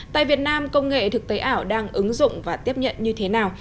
tại việt nam công nghệ thực tế ảo đang ứng dụng và tiếp nhận như thế nào